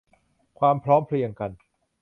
ความพร้อมเพรียงกัน